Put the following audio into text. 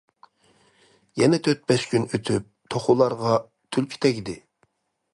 يەنە تۆت-بەش كۈن ئۆتۈپ، توخۇلارغا تۈلكە تەگدى.